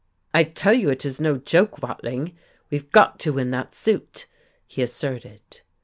"I tell you it is no joke, Watling, we've got to win that suit," he asserted.